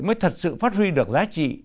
mới thật sự phát huy được giá trị